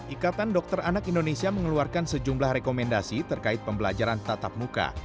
ikatan dokter anak indonesia mengeluarkan sejumlah rekomendasi terkait pembelajaran tatap muka